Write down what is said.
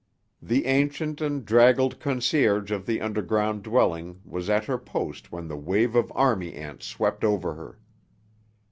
The ancient and draggled concierge of the underground dwelling was at her post when the wave of army ants swept over her.